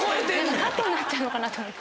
カットになっちゃうのかなと思って。